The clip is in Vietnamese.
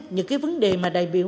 những vấn đề mà đại biểu nêu